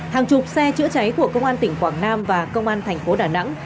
hàng chục xe chữa cháy của công an tỉnh quảng nam và công an thành phố đà nẵng